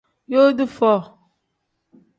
Yooti foo.